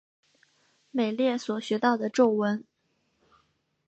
美列所学到的咒文。